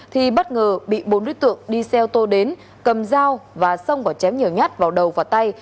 thì bất ngờ bị bốn đối tượng đi xe ô tô đến cầm dao và xong bỏ chém nhờ nhát vào đầu và tay